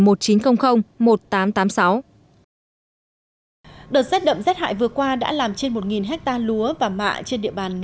đợt rét đậm rét hại vừa qua đã làm trên một ha lúa và mạ trên địa bàn hà tây